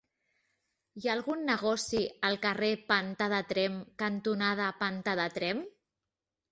Hi ha algun negoci al carrer Pantà de Tremp cantonada Pantà de Tremp?